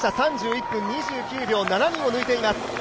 ３１分２９秒、７人を抜いています。